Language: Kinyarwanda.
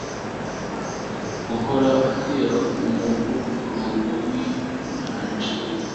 Guhora itera umuborogo winyanja